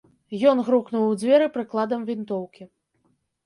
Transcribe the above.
Ён грукнуў у дзверы прыкладам вінтоўкі.